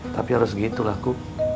tapi harus gitu lah ku